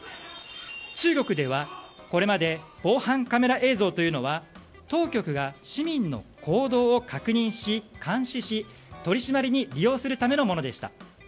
中国ではこれまで防犯カメラ映像というのは当局が市民の行動を確認し監視し、取り締まりに利用するためのものでした。